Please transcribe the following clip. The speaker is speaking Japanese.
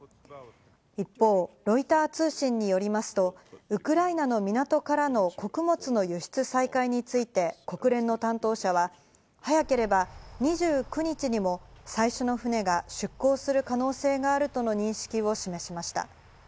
一方、ロイター通信によりますと、ウクライナの港からの穀物の輸出再開について、国連の担当者は、早ければ２９日にも最初の船が出港する可能性があるとの認識を示しました。